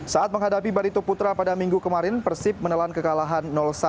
saat menghadapi barito putra pada minggu kemarin persib menelan kekalahan satu